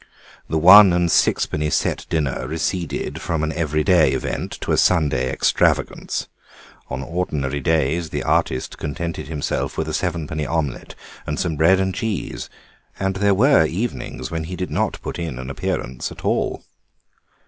The one and sixpenny set dinner receded from an everyday event to a Sunday extravagance; on ordinary days the artist contented himself with a sevenpenny omelette and some bread and cheese, and there were evenings when he did not put in an appearance at all.